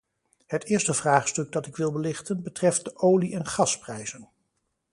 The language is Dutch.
Het eerste vraagstuk dat ik wil belichten, betreft de olie- en gasprijzen.